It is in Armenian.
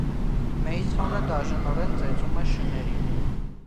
Մեյսոնը դաժանորեն ծեծում է շներին։